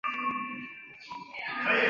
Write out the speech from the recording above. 由日本珍珠加工界元老藤堂安家创办。